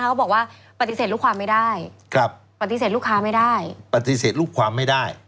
เขาบอกว่าปฏิเสธลูกความไม่ได้ปฏิเสธลูกค้าไม่ได้ปฏิเสธลูกความไม่ได้